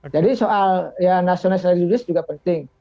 jadi soal ya nasionalis religius juga penting